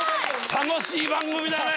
楽しい番組だね！